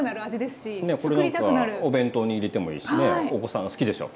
これなんかお弁当に入れてもいいしねお子さんが好きでしょう。